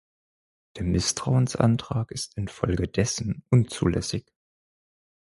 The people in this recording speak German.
Der Misstrauensantrag ist infolgedessen unzulässig.